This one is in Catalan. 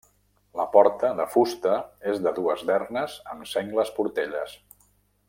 La porta, de fusta, és de dues dernes amb sengles portelles.